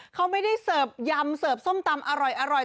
เขาไม่ได้เสิร์ฟยำเสิร์ฟส้มตำอร่อย